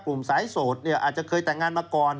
สายโสดเนี่ยอาจจะเคยแต่งงานมาก่อน